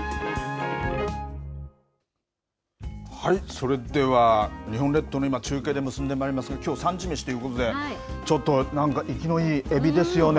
それでは日本列島の今、中継で結んでまいりますが、きょう、産地めしということで、ちょっとなんか、生きのいいエビですよね。